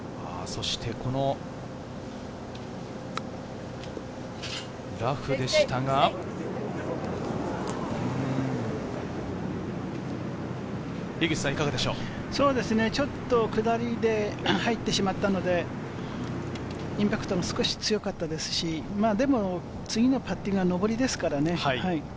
そうですね、ちょっと下りで入ってしまったので、インパクトが少し強かったですし、でも次のパッティングが上りですからね。